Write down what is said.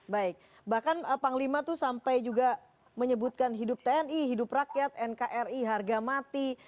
baik bahkan panglima itu sampai juga menyebutkan hidup tni hidup rakyat nkri harga mati